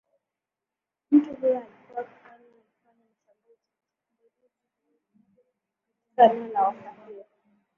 mtu huyo alikuwa akifanya alifanya shambulizi hilo katika eneo la wasafiri